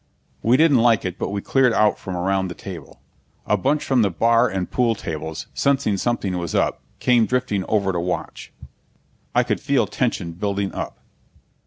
We didn't like it, but we cleared out from around the table. A bunch from the bar and pool tables, sensing something was up, came drifting over to watch. I could feel tension building up.